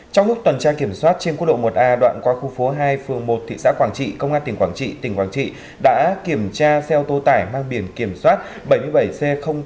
trong lúc tuần tra kiểm soát trên quốc lộ một a đoạn qua khu phố hai phường một thị xã quảng trị công an tỉnh quảng trị tỉnh quảng trị đã kiểm tra xe ô tô tải mang biển kiểm soát bảy mươi bảy c hai nghìn một mươi bảy